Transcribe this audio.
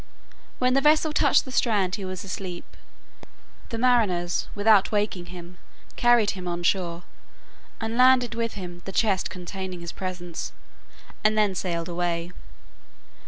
When the vessel touched the strand he was asleep. The mariners, without waking him, carried him on shore, and landed with him the chest containing his presents, and then sailed away.